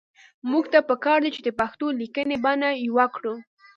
موږ ته پکار دي چې د پښتو لیکنۍ بڼه يوه کړو